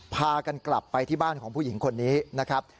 พากันกลับไปที่บ้านของผู้หญิงคนนี้นะครับ